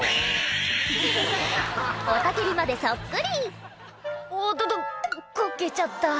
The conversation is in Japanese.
雄たけびまでそっくり「おっととこけちゃった」